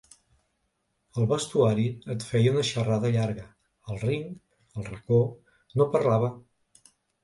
Al vestuari et feia una xerrada llarga; al ring, al racó, no parlava.